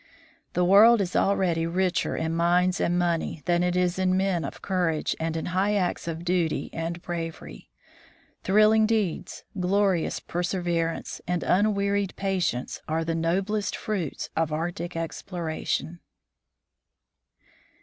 The world is already richer in mines and money than it is in men of courage and in high acts of duty and bravery. Thrilling deeds, glorious perseverance, and unwearied patience are the noblest fruits of Arctic exploration.